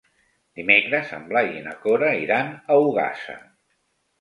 Dimecres en Blai i na Cora iran a Ogassa.